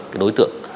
cái đối tượng